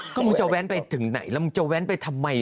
ก็มึงจะแว้นไปถึงไหนแล้วมึงจะแว้นไปทำไม